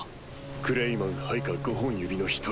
クレイマン配下五本指の一人。